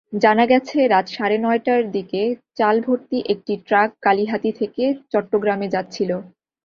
জানা গেছে, রাত সাড়ে নয়টার দিকে চালভর্তি একটি ট্রাক কালিহাতী থেকে চট্টগ্রামে যাচ্ছিল।